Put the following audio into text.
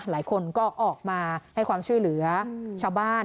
หลายคนก็ออกมาให้ความช่วยเหลือชาวบ้าน